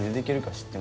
知ってる。